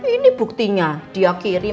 ini buktinya dia kirim